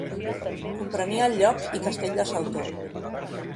Comprenia el lloc i castell de Sautó.